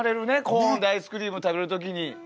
コーンでアイスクリーム食べる時に。